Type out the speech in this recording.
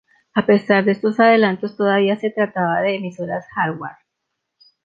A pesar de estos adelantos todavía se trataba de "emisoras hardware".